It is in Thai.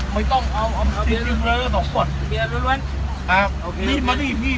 ไม่ต้องเอาเบียร์๒ขวด